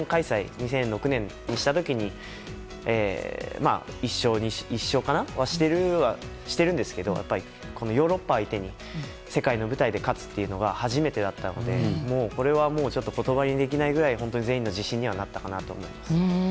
２００６年にした時に１勝はしてるはしてるんですけどヨーロッパ相手に世界の舞台で勝つというのは初めてだったのでこれはもう、ちょっと言葉にできないくらい本当に全員の自信にはなったかなと思います。